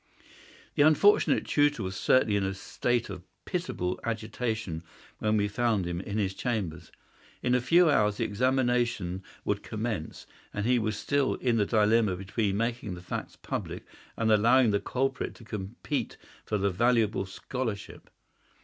The unfortunate tutor was certainly in a state of pitiable agitation when we found him in his chambers. In a few hours the examination would commence, and he was still in the dilemma between making the facts public and allowing the culprit to compete for the valuable scholarship.